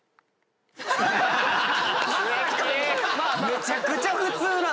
むちゃくちゃ普通な。